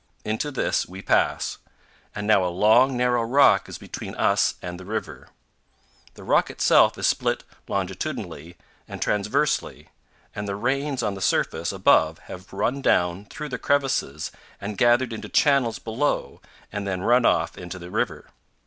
Into this we pass; and now a long, narrow rock is between us and the river. The rock itself is split longitudinally and transversely; and the rains on the surface above have run down through the crevices and gathered into channels below and then run off into the river.